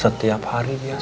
setiap hari dia galau